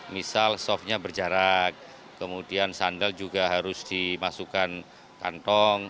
misal softnya berjarak kemudian sandal juga harus dimasukkan kantong